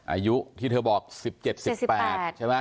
อายุที่เธอบอก๑๗๑๘ใช่ไหม